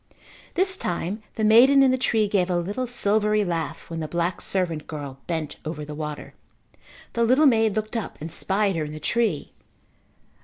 This time the maiden in the tree gave a little silvery laugh when the black servant girl bent over the water. The little maid looked up and spied her in the tree.